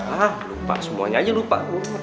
ah lupa semuanya aja lupa